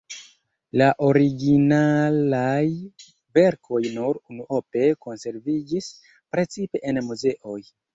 La originalaj verkoj nur unuope konserviĝis, precipe en muzeoj.